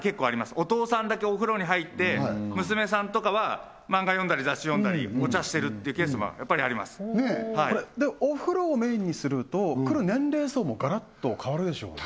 お父さんだけお風呂に入って娘さんとかは漫画読んだり雑誌読んだりお茶してるってケースもやっぱりありますでお風呂をメインにすると来る年齢層もガラッと変わるでしょうね